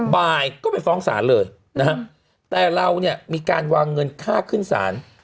บ่ายก็ไปฟ้องสารเลยแต่เรามีการวางเงินค่าขึ้นสาร